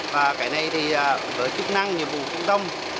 và cái này thì với chức năng nhiệm vụ trung tâm